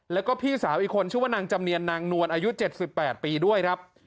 แล้วก็พี่สาวอีกคนชื่อว่านางจำเนียนนางนวลอายุ๗๘ปีด้วยครับ